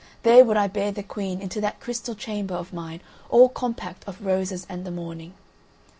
There would I bear the Queen into that crystal chamber of mine all compact of roses and the morning."